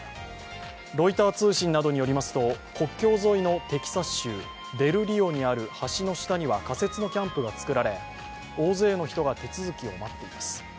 ロイター通信などによりますと、国境沿いのテキサス州、デル・リオにある橋の下には仮設のキャンプがつくられ、大勢の人が手続きを待っています。